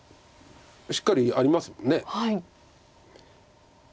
しっかりありますもんね。